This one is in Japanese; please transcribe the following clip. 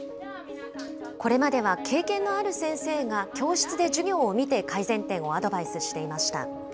これまでは経験のある先生が教室で授業を見て、改善点をアドバイスしていました。